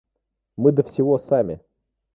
Мы до всего сами.